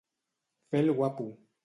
Fer el guapo.